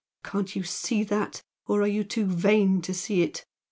Can't you see that? or are you too vain to see it?